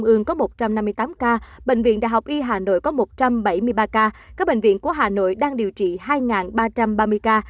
hà nội hà nội trung ương có một trăm năm mươi tám ca bệnh viện đh y hà nội có một trăm bảy mươi ba ca các bệnh viện của hà nội đang điều trị hai ba trăm ba mươi ca